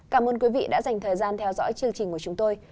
cảm ơn quý vị đã dành thời gian theo dõi chương trình của chúng tôi